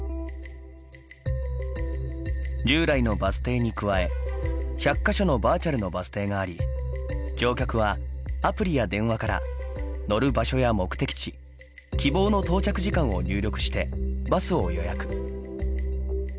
従来のバス停に加え１００か所のバーチャルのバス停があり乗客はアプリや電話から乗る場所や目的地希望の到着時間を入力してバスを予約。